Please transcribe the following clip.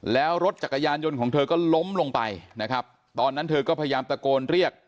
แล้วรถจักรยานยนต์ของเธอก็ล้มลงไปนะครับตอนนั้นเธอก็พยายามตะโกนเรียก